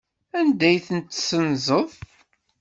Anda ay ten-tessenzeḍ?